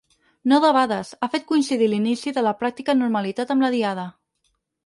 No debades, ha fet coincidir l’inici de la pràctica normalitat amb la diada.